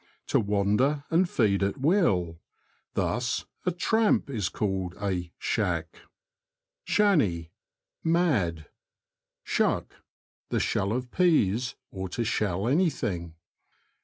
To wander and feed at will ; thus, a tramp is called a "shack." Shanney. — Mad. Shuck. — The shell of peas; or to shell anything.